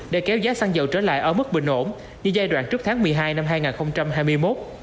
để kéo giá xăng dầu trở lại ở mức bình ổn như giai đoạn trước tháng một mươi hai năm hai nghìn hai mươi một